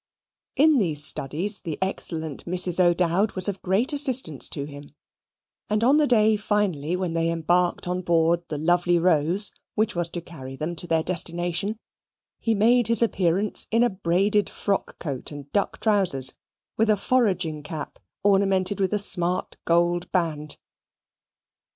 In these studies the excellent Mrs. O'Dowd was of great assistance to him; and on the day finally when they embarked on board the Lovely Rose, which was to carry them to their destination, he made his appearance in a braided frock coat and duck trousers, with a foraging cap ornamented with a smart gold band.